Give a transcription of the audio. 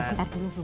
eh sebentar dulu